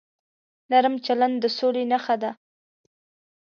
نرم چلند د سولې نښه ده.